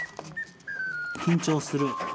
緊張する。